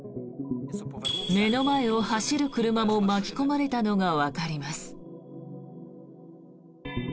目の前を走る車も巻き込まれたのがわかります。